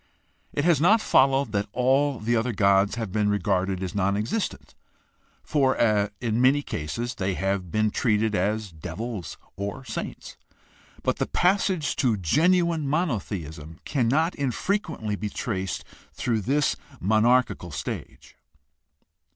It has not followed that all the other gods have been regarded as non existent, for in many cases they have been treated as devils or saints. But the passage to genuine monotheism can, not infrequently, be traced through this monarchical stage.